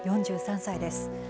４３歳です。